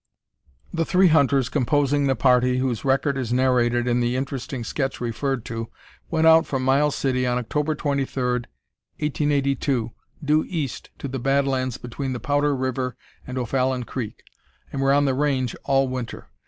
The three hunters composing the party whose record is narrated in the interesting sketch referred to, went out from Miles City on October 23, 1882, due east to the bad lands between the Powder River and O'Fallon Creek, and were on the range all winter.